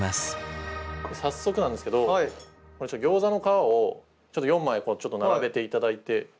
早速なんですけどギョーザの皮を４枚並べていただいて。